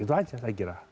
begitu aja saya kira